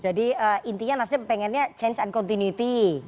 jadi intinya nasdem pengennya change and continuity